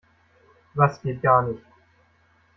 Was geht gar nicht?